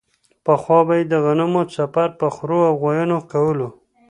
پخوا به یې د غنمو څپر په خرو او غوایانو کولو.